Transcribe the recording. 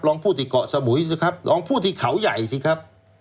พูดที่เกาะสมุยสิครับลองพูดที่เขาใหญ่สิครับ